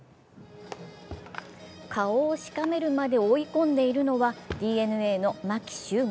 顔をしかめるまで音込んでいるのはＤｅＮＡの牧秀悟。